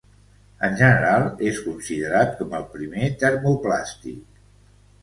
En general és considerat com el primer termoplàstic.